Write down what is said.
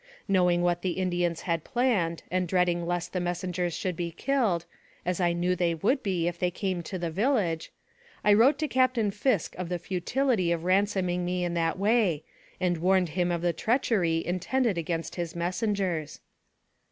Knowing what the Indians had planned, and dread ing lest the messengers should be killed, as I knew they would be if they came to the village, I wrote to Cap tain Fisk of the futility of ransoming me in that way, and warned him of the treachery intended against his messengers.